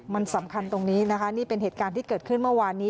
มันสำคัญตรงนี้นะคะนี่เป็นเหตุการณ์ที่เกิดขึ้นเมื่อวานนี้